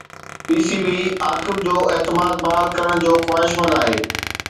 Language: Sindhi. پي سي بي عاقب جو اعتماد بحال ڪرڻ جو خواهشمند آهي